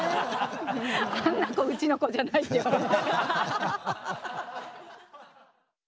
あんな子うちの子じゃないって言われる。